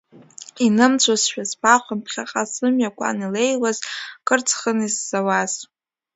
Инымҵәозшәа збахуан ԥхьаҟа сымҩа, қәан илеиуаз, кырцхын исзауаз.